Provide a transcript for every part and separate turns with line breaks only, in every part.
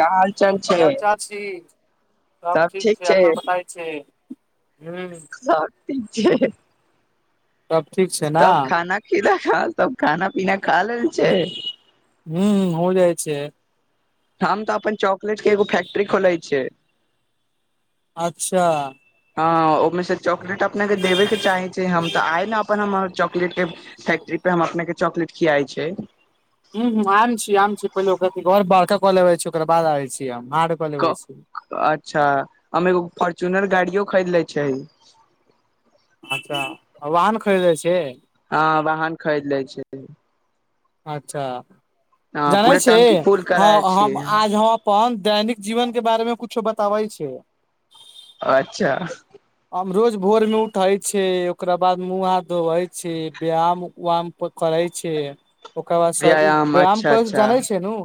का हाल चाल छै
ल चा छी सब ठीक छै अपन बताए छै ह
सब ठीक छै
सब ठीक छै ने
तब खाना खीदा ख तब खाना पीना खा ले लेने छै
हू हो जाइ छै
हम तऽ अपन चॉकलेट के एगो फैक्ट्री खोलै छिय
अच्छा
अ ओहिमे से चॉकलेट अपने के देबे के चाहे छै हम तऽ आय न अपन हम चॉकलेट के फैक्ट्री पे हम अपने के चॉकलेट खियाइ छै
ह ह आम छी आम छी पहिले ओकरा घर पे आधा क लेबे छी ओकरा बाद आबै छी हम हार्ड कऽ लेबै छी
अच्छा हमएगो फोर चूनर गाड़ियो खरीद ले छैय
अच्छा वाहन खरीदै छ
हँ वाहन खरीद लै छैय
अच्छा जानै
पूरा
छी
टंकी फूल
हँ
कराय
हम
छियै
आज हम अपन दैनिक जीवन के बारे मे कुछो बताबै छैय।
अच्छा
रोज भोर में उठे छैई ओकरा बाद मुह हाथ धोवे छैय व्यायाम वाम करे कहै छिय ओकर बाद स व्यायाम
अच्छा
कर
अच्छा
जानै छैय न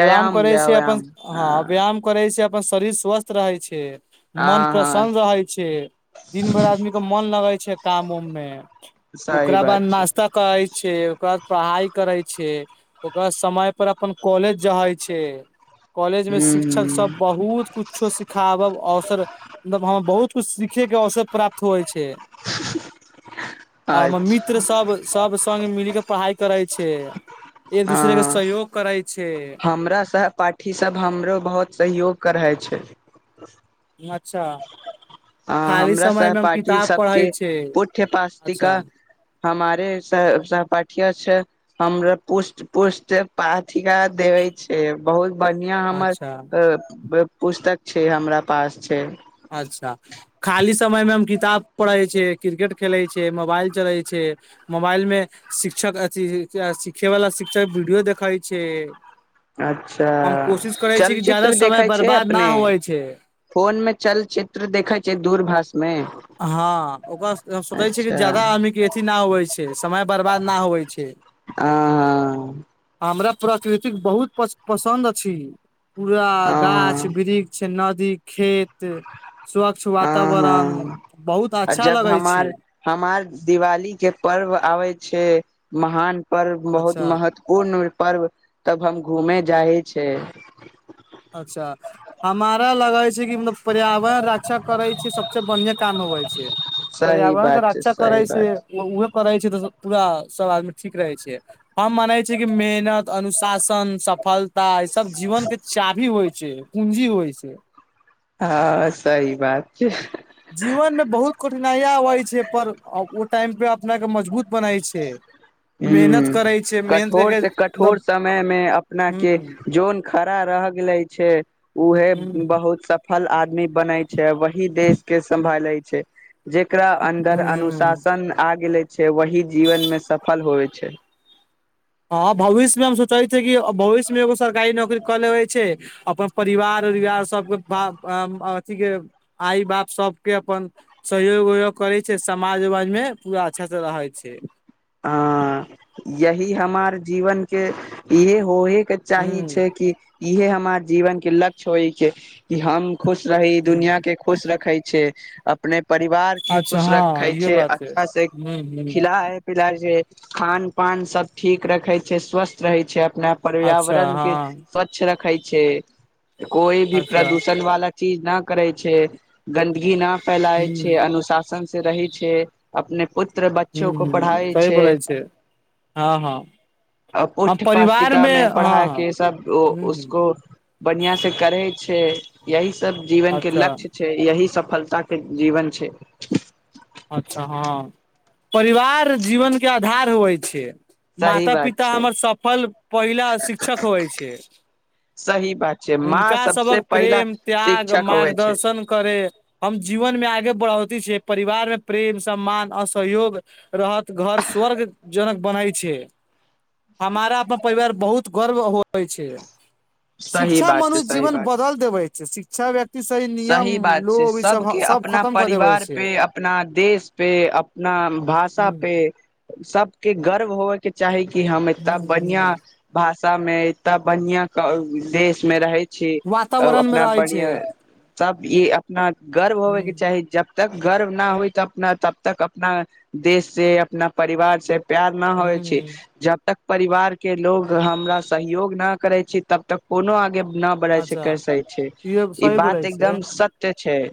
व्यायाम करै छैय अपन हँ व्यायाम करै छैय अपन शरीर स्वस्थ रहै छैय मन
हँ हँ
प्रसन्न रहै छै दिन भरि आदमी के मन लगै छैय काम उम मे
सही
ओकरा
बात
बाद
छै
नास्ता करै छैय ओकरा पढ़ाइ करै छैय ओकरा समय पर अपन कॉलेज जाहै छैय। कॉलेज में शिक्षक सब
हूँ
बहुत कुछो सिखाबब औसर मलब हम बहुत कुछ सिखे के अवसर प्राप्त होइ छैय। आ हमर
अच्छा
मित्र सब सब संगग मिल के पढ़ाई करै छैय एक दूसरे क
हँ
सहयोग कर
हमरा सहपाठी सब हमरो बहुत सहयोग करै छैय।
अच्छा
ह
खाली
हमरा
समय मे हम
सहपाठी
किताब
सबके
पढ़ै छै
पुठ्य पाठिका
अच्छा
हमारे सहपाठी छैय हमर पुष्ट पुष्ट पाथिका देव देवे छैय बहुत बढ़िया हमर
अच्छा
पुस्तक छैय हमरा पास छैय।
अच्छा खाली समय मे हम किताब पढ़े छ क्रिकेट खेले छै मोबाइल चले छैय। मोबाइल मे शिक्षक अथि सिखे वालला शिक्षक वीडियो देखइ छैय।
अच्छा
ज्यादा
चलचित्र
समय
देखै छैय
बर्बाद ना
अपने?
होवै छै
फोन में चलचित्र देखे छैय दूर भाषा
हँ ओकररा सोचै छियै कि
अच्छा
ज्यादा अमीके अथी नहि होइ छैय समय बर्बाद नहि होइ छैय।
आ ह
अ हमरा प्रकृत बहुत पसन्द अछि पूरा गाछ
हँ
वृक्ष नदी खेत स्वच्छ
ह
वातावरण
हँ
बहुत
आ
अच्छा
जब
लगै छी
हमार हमार दिवाली के पर्व आबै छैय महान पर्व बहुत
अच्छा
महत्वपूर्ण पर्व तब हम घूमे जा है छैय।
अच्छा हमारा लगा कि मतलब पर्यावरण रक्षा करै छैय सबस बढ़िआ काम होबय छैय।
सही
पर्यावरण
बात छै
रक्षा
सही
करै
बात
छैय
छै,
उह करै छैय तऽ पूरा सब आदमी ठीक रहै छैय हम मानै छियै कि मेहनत अनुशासन सफलता ई सब जीवन के चाभी होइ छैय पूंजी होइ छैय।
हँ सही बात छैय।
जीवन मे बहुत कठिनाइय अबै छैय पर ओ टाइम पे अपना के मजबूत बनै छैय।
हु कठोर से कठोर
मतलब
समय मे अपना
ह
के जोन खड़ा र रह गेलय छैय उह
ह
बहुत स फल आदमी बनै छैय वही देश के सम्भालै छैय। जेकरा अन्दर
ह ह
अनुशासन आ गेले छैय वही जीवन मे सफल होइ छैय।
हँ भविष्य मे हम सोचै छ कि भविष्य मे एगो सरकारी नौकरी कऽ लेबे छैय अपन परिवार परवार सबके अथिी के आइ बाप सबके अपन सहयोग उयोग करै छैय समाज उमाज पूरा अच्छास से रहै छैय।
ह यहि हमार जीवन के इहे हो हे के चाही
हूँ
छैय कि इहे हमर जीवन के लक्ष्य होइ छैय कि हम खुश रही दुनिया
हूँ,
के खुश रखै छैय अपने परिवार के
अच्छा
खुश
हँ
रखे
इहो
छैय
बात छै
अच्छा से
हूँ हूँ
खिलााय पिलाइ खान पान सब ठीक रखे छैय स्वस्थ रहै छैय, अपना
अच्छा
पर्यावरण के
हँ
स्वच्छ रखे छैय कोई भी
अच्छा
प्रदूषण वाला चीज न करै छैय गन्दगी न
हूँ
फैलाए छैय अनुशासन रही छैय अपने पुत्र
हूँ
बच्चो को पढ़ाई
सही
छै
बोलैय छैय हँ हँ
आ
हम
पुठ
परिवार
पास्टिका मे
हँ
पढ़ाइ
हँ
के सब
हूँ हूँ
उसको बढ़िया से करे छैय यही सब जीवन के
अच्छा
लक्ष्य छैय यही सफलता के जीवन छैय।
अच्छा हँ परिवार जीवन के आधार होइ छैय।
सही
माता
बात
पिता
छै
हमर सफल पहिला शिक्षक होइ छैय।
सही बात छै माँ
हुनका
सबसे
सभक
पहिला
प्रेम त्याग
शिक्षक होवे छै
मार्गदर्शन करे हम जी जीवन मे आगे बढ़ौती छैय परिवार प्रेम सम्मान असहयोग रहत घर स्वर्ग जनक बनै छैय। हमारा अपन परिवार बहुत गर्व होइ छैय।
सही
शिक्षा
बात छै
मनुष्य
सही
जीवन
बात
बदल देबै छैय शिक्षा व्यक्ति नियम
सही बात छैय
लोभ ई सब
सबके
सब
अपना
खतम कऽ देबै
परिवार
छै
पे अपना देश पे अपना भाषा पे सबके गर्व होवय के चाही कि कि हम एताना बढ़िया भाषा में एतता बढ़िया देश में रहय छैय
वातावरण मे
अपना
रहै
बढ़आ
छै
तब ई अपना गर्व होबयके चाही जब तक गर्व न होइ तऽ अपना तब तक अपना देश से अपना परिवार से प्यार न होइ छैय
हूँ
जब तक परिवारके लोग हमरा सहयोग नहि करै छी तब तक कोनो आगे न बड़ा से
अच्छा
कर सकै छैय
इहो
ई
सही
बात
बोलै छियै
एकदम सत्य छैय।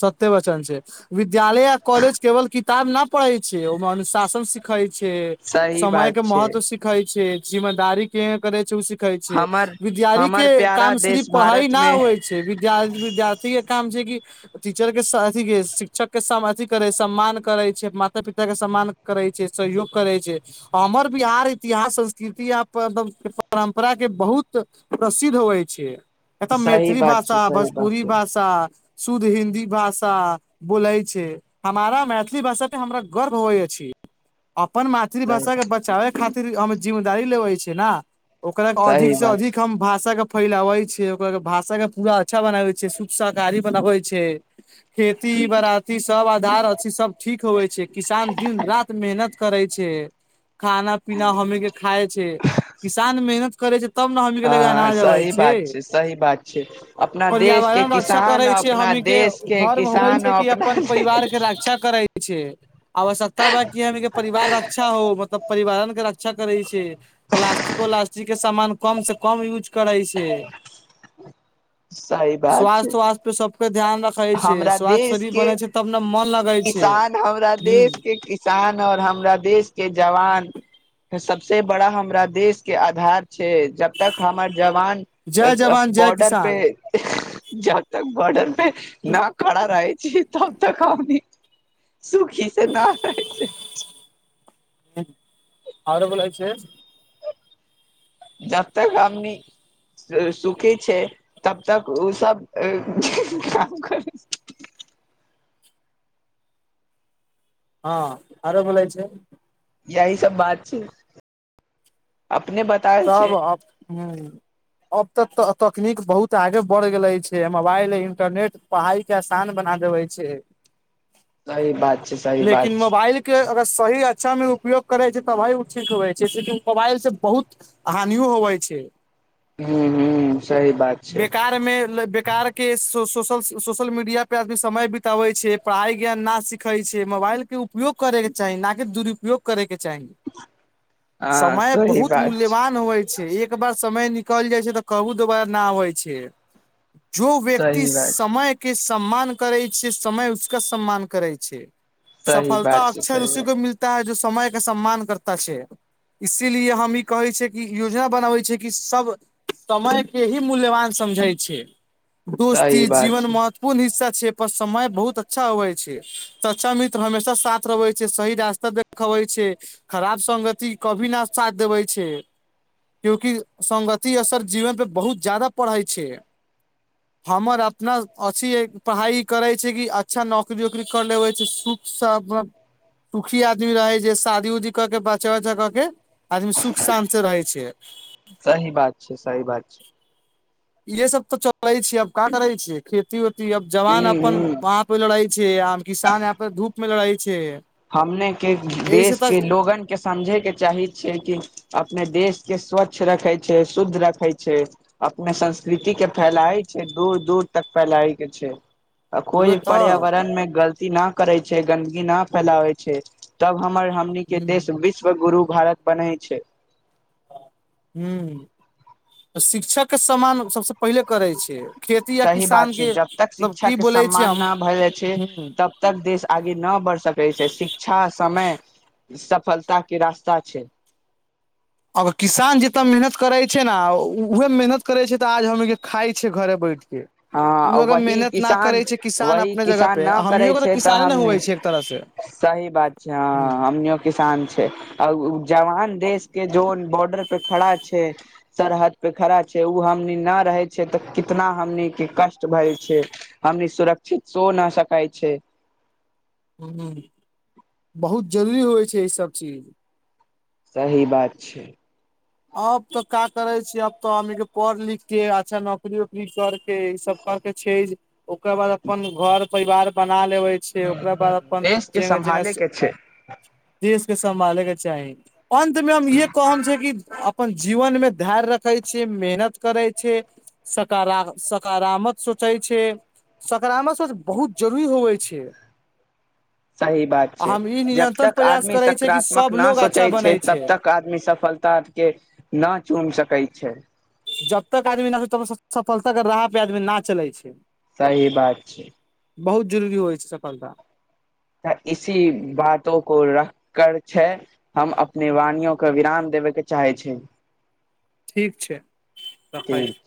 सत्य वचन छैय विद्यालय आ कॉलेज केवल किताब न पढ़ै छैय ओहिमे अनुशासन सिखै छैय
सही
समय
बात
के
छै
महत्व सिखै छैय जिम्मेदारी के करे छैय कहै छ
हमर
विद्यारी
हमर
के
प्यारा
काम
देश
सिर्फ पढ़ाई
भारत मे
नहि होइ छैय विद्यार विद्यार्थी के काम छैय कि टीचर के सह अथी के शिक्षक के सम अथी करे सम्मान करै छैय माता पिता के सम्मान करै छैय। सहयोग करै छैय हमर बिहार इतिहास संस्कृति आ मतलब परम्पराके बहुत प्रसिद्ध होइ छै एतऽ
सही
मैथिली
बात छै
भाषा
सही बात
भोजपुरी
छै
भाषा शुद्ध हिन् दि भाषा बोलै छै हमारा मैथिली भाषा पे हमरा गर्व होइ छै अपन मातृभाषाके
सही
बचाबै खातिर हम जिम्मेदी लेबै छियै न ओकरा अधिक
सही
से
बात
अधिक
छै
हम भाषा के फैलावै छै ओकरा के भाषा के पूरा अच्छा बनाबै छै शुक शाकारी बनाबै छै खेती बाराती सब आधार अछि सब ठीक होेवै छैय किसान दिन रात मेहनत करय छैय। खाना पीना हमी के खााय छ किसान मेहनत करै छैय तब ने हमी के ल
हँ
अनाज अबै
सही
छैय।
बात सही बात छैय अपना देश के किसान अपना देश के
धर्म होबै
किसान
छै कि
अपना
अपन परिवार के रक्षा करै छैय आवश्यकता बा कि हमी के परिवार रक्षा हो मतलब परिवारन के रक्षा करै छैय प्लास्टिक व्लास्टिक के सामान कम से कम यूज करै छैय।
सही बात छैय।
सबके ध्यान रखै छै
हमरा
स्वास्थ्य
देश
शरीर
के
बनै छै तब ने मन लगै छै
किसान हमरा
हूँ
देश के किसान और हम हमरा देश के जवान सबसे बड़ा हमरा देश के आधार छैय जब तक हमर जवान
जय जवान जय
बॉर्डर पे
किसान
जब तक बॉर्डर पे न खड़ा रहै छैय तब तक हमनी सुखी [unintelligible]
ह्म और बोलै छैय।
जब तक हमनी सुखी छैय तब तक ओ सब काम करै
[inaudible] हँ आरो बोलै छै
यही सब बात छै अपने बताय छै
तब ह अब तक तऽ तखनीक बहुत आगे बढ़ गेले छै मोबाइल इंटरनेट पढ़ाई के आसान बना देबे छै
सही बात छै सही
लेकिन
बात छै
मोबाइल के अगर सही अच्छा मे उपयोग करै छै त तबे ओ ठीक होे छै सेेकि मोबाइल से बहुत हानियो होवे छै
ह ह सही बात छै
बेकारमे बेकारके शो सोशल सोशल मीडिया पे आदमी समय बितबे छै पढ़ाइ ज्ञान ना सिखे छै मोबाइल के उपयोग करे छै के चाही न कि दुरुपयोग करैके चाही
हँ
समय
सही
बहुत
बात छै
मूल्यवान होइ एक बार समय निकल जाइ छै तऽ कहू दोबारा न होइ छै जो व्यक्ति
सही बात छै
समय के सम्मान करै छै समय उसका सम्मान करै छै
सही
सफलता
बात छै
अक्षर
सही
उसी को
बात
मिलता है जस समय के सम्मान करता छै इसीलिए हम ई कहै छै कि योजना बनाबै छै कि सब समय के ही मूल्यवान समझै छै दोस्ती
सही बात
जीवन
छै
महत्वपूर्ण हिस्सा पर समय बहुत अच्छा अबै छै सच्चा मित्र हमेशा साथ रहबे छै सही रास्ता देखब छै खराब संगति कभी न साथ देबै छै छै क्यूकि संगति असर जीवन पे बहुत ज्यादा पढ़ै छै हमर अपना अथी पढ़ाइ करै छै कि अच्छा नौकरी वकरी कर लेबै छै सब सुखी आदमी रहै जे शादी उदी क के बचा उचा क के आदमी सुख सान से रहै छै
सही बात छै सही बात छै
ये सब तो चलै छैै अब कहाँ करै छियै खेती उती अब जवान
हूं
अपन
हूं
वहां पे लड़े छै आ किसान या धूप में लड़े छै
हमने के
एहि से
देश
तऽ
के लोगन के समझे के चाही छियै कि अपने देश के स्वच्छ रखे छै शुद्ध रखे छै अपने संस्कृति के फैलाय दूर दूर तक फैलाय के छै
उहे
कोई
तऽ
पर्यावरण में गलती न करै छै गन्दगी न फैलावै छै तब हमर हमनी के
ह
देश विश्व गुरु भारत बनै छै
ह त शिक्षक के समान सबस पहिले करै छै खेती य
सही बात
किसान
छै
के
जब तक
मतलब
शिक्षा
की
के
बोलै छै
सम्मान
हम
न भए जाइ छै
ह
तब तक देश आगे नहि बढ़ि सकै छै शिक्षा समय सफलता के रास्ता छै
अगर किसान जतय मेहनत करै छै ने उहे मेहनत करै छै तऽ आज हम खाइ छियै घरे बैठ ओ
हँ
अगर
वही
मेहनत न
किसान
करै छै किसान
वही
अपने जगह
किसान
पे
न करै
हमरो के तऽ
छै
किसाने ने
हमनी
हवै छै एक तरह से
सही बात छै हँ हमनियो किसान छै जवान देश के जो पे खड़ा छै सरहद पे खड़ा छै ओ हमनी न रहे छै तऽ कितना हमनी के कष्ट भए छै हमनी सुरक्षित सो नहि सकै छै
ह बहुत जरूरी होइ छै ईसभ चीज
सही बात छै
अब तऽ का करे छी अब तऽ अी के पढ़ लिख के अच्छा नौकरी वकरी करके ई सब कर के छै ओकर बाद अपन घर परिवार ब बना लेवे छैय ओकरा बाद
देश के सम्भाले के छै
सम्भालेके चाही अन्तमे हम य कहम छै कि अपन जीवन मे धैर्य रखे छै मेहनत करै छै सकार सकारात्मक सोचै छै सकारात्मक सच बहुत जरूरी होवै छै
सही बात छै
हम ई
जब
निरन्तर
तक
प्रयास
आदमी
करै छै कि
सकारात्मक
सब
न
लोग
सोचै
अच्छा
छै
बनै
तब तक आदमी सफल ता के ना चुम सकैत छै
जबतक आदमी न तब सफलता के राह पे आदमी ना चले छै
सही बात छै
बहुत जरूरी होइ छै सफलता
त इसी बातो को रखकर छै हम अपने वाणियो क विराम देबे के चाहै छै
ठीक छै रखै छी
ठीक